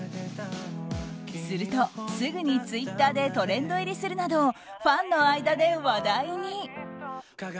するとすぐにツイッターでトレンド入りするなどファンの間で話題に。